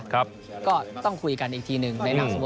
ก็ต้องคุยกันอีกทีหนึ่งในนามสมมุติ